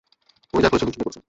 উনি যা করছেন বুঝেশুনেই করছেন।